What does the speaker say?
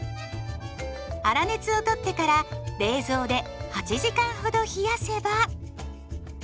粗熱を取ってから冷蔵で８時間ほど冷やせば。